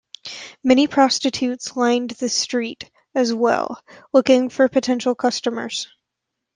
Many prostitutes lined the street as well, looking for potential customers.